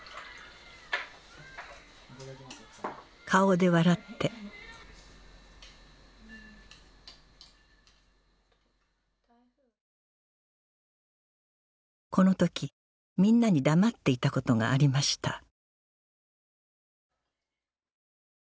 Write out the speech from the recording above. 顔で笑ってこの時みんなに黙っていたことがありました